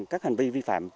các hành vi vi phạm